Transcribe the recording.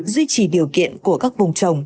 duy trì điều kiện của các vùng trồng